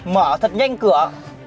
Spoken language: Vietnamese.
mở thật nhanh cửa